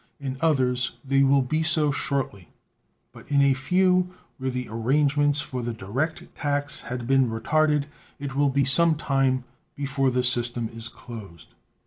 In others they will be so shortly. But in a few, where the arrangements for the direct tax had been retarded, it will be some time before the system is closed.